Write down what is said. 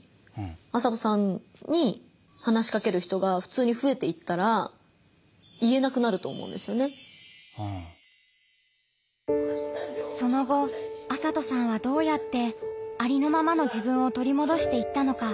麻斗さんにその後麻斗さんはどうやってありのままの自分を取り戻していったのか。